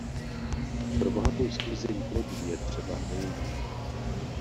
Pro bohatou sklizeň plodů je třeba hnojení.